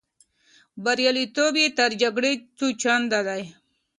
بریالیتوب یې تر جګړې څو چنده دی.